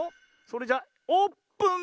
それじゃオープン！